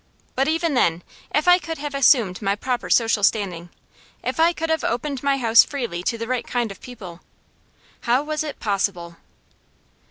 But even then, if I could have assumed my proper social standing, if I could have opened my house freely to the right kind of people How was it possible?